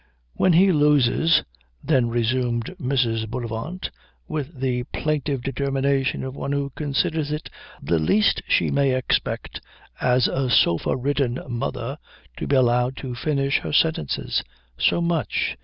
"When he loses," then resumed Mrs. Bullivant with the plaintive determination of one who considers it the least she may expect as a sofa ridden mother to be allowed to finish her sentences, "so much."